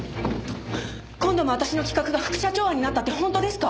今度も私の企画が副社長案になったって本当ですか？